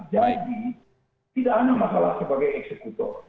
jadi tidak ada masalah sebagai eksekutor